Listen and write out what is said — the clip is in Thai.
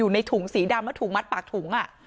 ในถุงสีดำแล้วถูกมัดปากถุง